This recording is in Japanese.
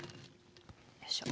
よいしょ。